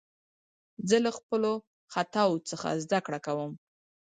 زه له خپلو خطاوو څخه زدکړه کوم.